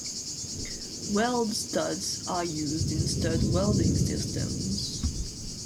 "Weld studs" are used in stud welding systems.